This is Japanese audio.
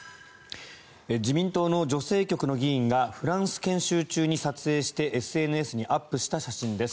自民党の女性局の議員がフランス研修中に撮影してＳＮＳにアップした写真です。